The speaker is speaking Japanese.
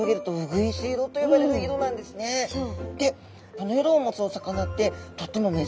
この色を持つお魚ってとっても珍しいんだそうです。